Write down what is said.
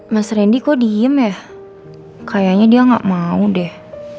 mas randy kok diem ya kayaknya dia gak mau deh